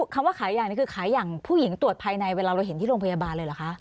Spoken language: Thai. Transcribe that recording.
คำว่าขายอย่างนี้คือขายอย่างผู้หญิงตรวจภายในเวลาเราเห็นที่โรงพยาบาลเลยเหรอคะ